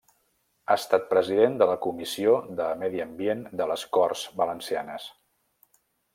Ha estat president de la Comissió de Medi Ambient de les Corts Valencianes.